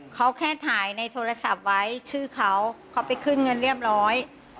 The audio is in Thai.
เขาแค่ถ่ายในโทรศัพท์ไว้ชื่อเขาเขาไปขึ้นเงินเรียบร้อย